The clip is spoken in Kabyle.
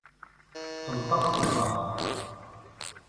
Tenṭeq temɣart.